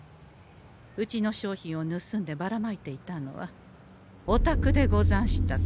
うちの商品をぬすんでばらまいていたのはおたくでござんしたか。